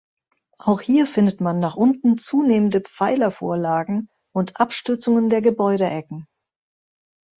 Auch hier findet man nach unten zunehmende Pfeilervorlagen und Abstützungen der Gebäudeecken.